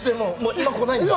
今、来ないんだ。